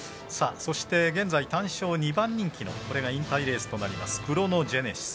そして単勝２番人気のこちらが引退レースになりますクロノジェネシス。